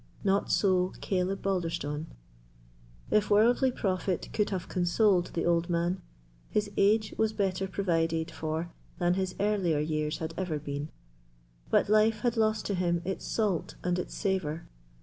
Not so Caleb Balderstone. If worldly profit could have consoled the old man, his age was better provided for than his earlier years had ever been; but life had lost to him its salt and its savour.